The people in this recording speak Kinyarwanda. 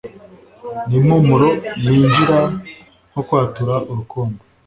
Nimpumuro yinjira nko kwatura urukundo